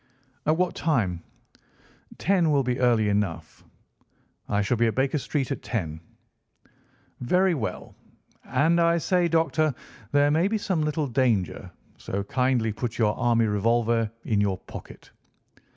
"At what time?" "Ten will be early enough." "I shall be at Baker Street at ten." "Very well. And, I say, Doctor, there may be some little danger, so kindly put your army revolver in your pocket."